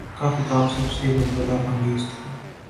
کا خطاب سب سے ولولہ انگیز تھا۔